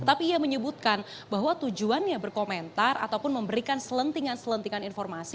tapi ia menyebutkan bahwa tujuannya berkomentar ataupun memberikan selentingan selentingan informasi